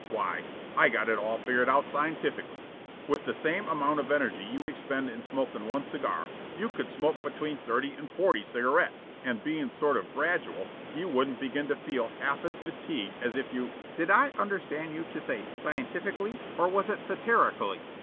Why, I got it all figured out scientifically. With the same amount of energy you expend in smokin' one cigar you could smoke between thirty and forty cigarettes, and being sort of gradual, you wouldn't begin to feel half as fatigued as if you " "Did I understand you to say 'scientifically', or was it satirically?"